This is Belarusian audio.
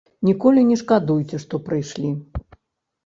Ніколі не шкадуйце, што прыйшлі.